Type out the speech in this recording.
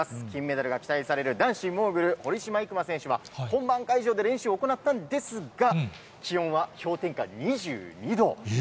金メダルが期待される男子モーグル、堀島行真選手は、本番会場で練習を行ったんですが、気温は氷点下２２度。